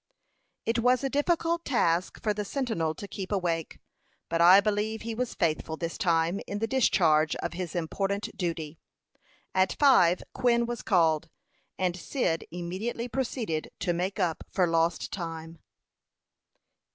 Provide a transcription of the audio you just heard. It was a difficult task for the sentinel to keep awake; but I believe he was faithful this time in the discharge of his important duty. At five Quin was called, and Cyd immediately proceeded to make up for lost time.